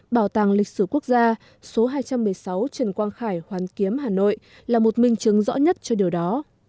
bảo tàng lịch sử quốc gia số hai trăm một mươi sáu trần quang khải hoàn kiếm hà nội là một minh chứng rõ nhất cho điều đó